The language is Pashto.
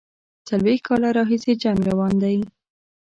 څلوېښت کاله راهیسي جنګ روان دی.